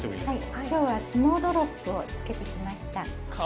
はいきょうは「スノードロップ」をつけてきました。